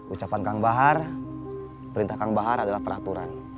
ucapan kang bahar perintah kang bahar adalah peraturan